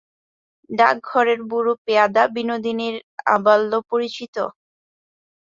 ডাকঘরের বুড়ো পেয়াদা বিনোদিনীর আবাল্যপরিচিত।